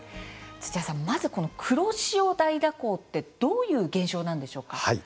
土屋さん、まずこの黒潮大蛇行ってどういう現象なんでしょうか。